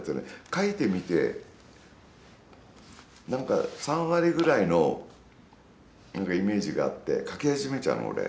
描いてみてなんか３割ぐらいのイメージがあって描き始めちゃうの、俺。